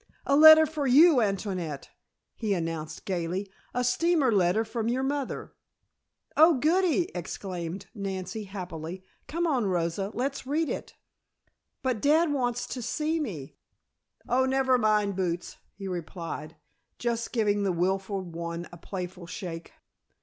"A letter for you, Antoinette," he announced gaily. "A steamer letter from your mother " "Oh, goody!" exclaimed Nancy happily. "Come on, Rosa. Let's read it." "But dad wants to see me " "Oh, never mind, Boots," he replied, just giving the willful one a playful shake.